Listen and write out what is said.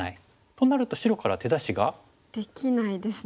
となると白から手出しが？できないですね。